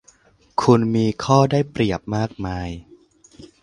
คุณมีข้อได้เปรียบมากมาย